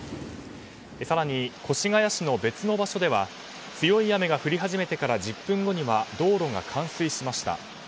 更に、越谷市の別の場所では強い雨が降り始めてから１０分後には道路が冠水しました。